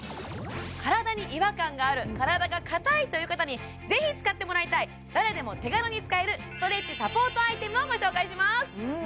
体に違和感がある体が硬いという方に是非使ってもらいたい誰でも手軽に使えるストレッチサポートアイテムをご紹介します